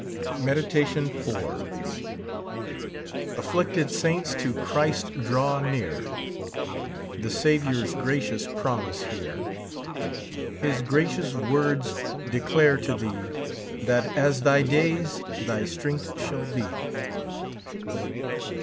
Meditation IV. Afflicted saint^J to ChristidrJivv near, The Saviour's gracious promise hear; His gracious words declare to thee. 'I'll it as thy days, thy strength shall be.